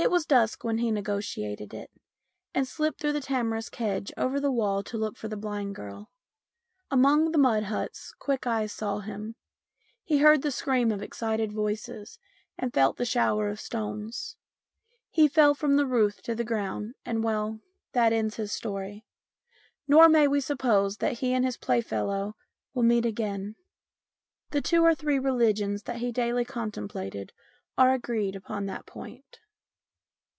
It was dusk when he negotiated it, and slipped through the tamarisk hedge and over the wall to look for the blind girl. Among the mud huts quick eyes saw him. He heard the scream of excited voices, and felt the shower of stones. He fell from the roof to the ground, and well, that ends his history. Nor may we suppose that he and his playfellow will meet again. The two or three religions that he daily contemplated are agreed upon that point.